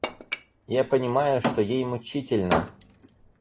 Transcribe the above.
Я понимаю, что ей мучительно.